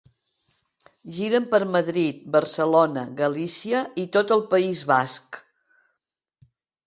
Giren per Madrid, Barcelona, Galícia i tot el País Basc.